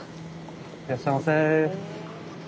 ・いらっしゃいませ。